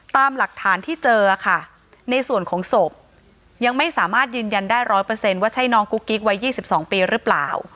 ตามหลักฐานที่เจอค่ะในส่วนของศพยังไม่สามารถยืนยันได้๑๐๐ว่าใช่น้องกุ๊กกิ๊กวัย๒๒ปีหรือเปล่า